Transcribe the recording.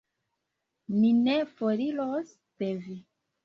Ni ne foriros de Vi.